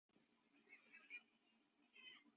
俄罗斯的财政危机使得预算金额多次变更。